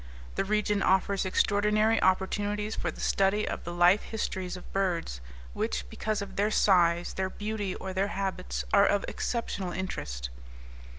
The region offers extraordinary opportunities for the study of the life histories of birds which, because of their size, their beauty, or their habits, are of exceptional interest.